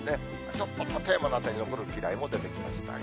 ちょっと館山の辺り、残るきらいも出てきましたが。